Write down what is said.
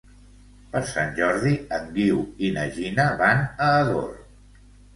Per Sant Jordi en Guiu i na Gina van a Ador.